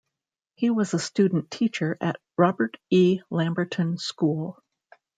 He was a student teacher at Robert E. Lamberton School.